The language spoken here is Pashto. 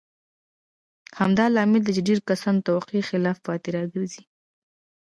همدا لامل دی چې ډېر کسان د توقع خلاف پاتې راځي.